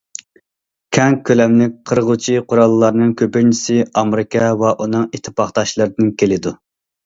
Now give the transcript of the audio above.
كەڭ كۆلەملىك قىرغۇچى قوراللارنىڭ كۆپىنچىسى ئامېرىكا ۋە ئۇنىڭ ئىتتىپاقداشلىرىدىن كېلىدۇ.